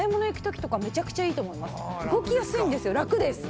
動きやすいんですよラクです。